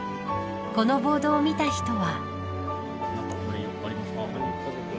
このボードを見た人は。